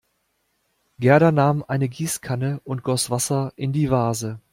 Gerda nahm eine Gießkanne und goss Wasser in die Vase.